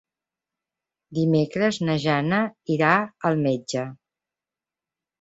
Dimecres na Jana irà al metge.